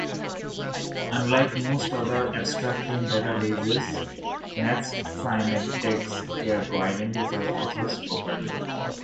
Unlike most other abstracting databases, MathSciNet takes care to identify authors properly.